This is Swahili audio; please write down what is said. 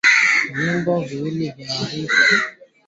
virutubisho vya vitamin A huppotea kwenye jewa na jua